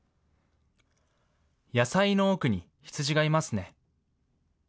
野菜の奥に羊がいますね。